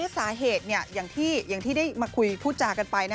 สาเหตุอย่างที่ได้มาคุยพูดจากันไป